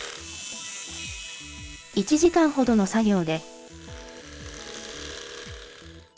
１時間ほどの作業で。